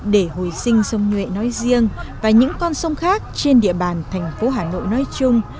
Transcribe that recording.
để hồi sinh sông nhuệ nói riêng và những con sông khác trên địa bàn thành phố hà nội nói chung